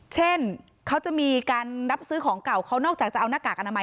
เช่นเขาจะมีการรับซื้อของเก่าเขานอกจากจะเอาหน้ากากอนามัย